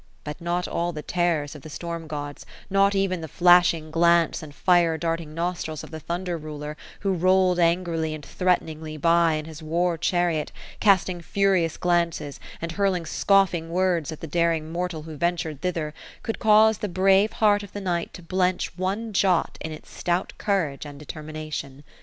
But not all the terrors of the storm gods — not even the flashing glanoe, and fire darttng nostrils of the thunder ruler, who rolled angrily and threateningly by, in his war chariot, cast ing furious glances, and hurling scoffing words at the daring mortal who ventured thither, could cause the brave heart of the knight to blench one jot in its stout courage and determination.